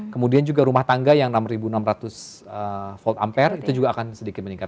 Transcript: kemudian juga rumah tangga yang enam enam ratus volt ampere itu juga akan sedikit meningkat